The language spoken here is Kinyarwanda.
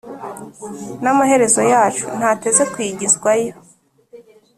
n’amaherezo yacu ntateze kwigizwayo,